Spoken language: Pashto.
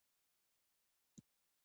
افغانستان به ځلیږي؟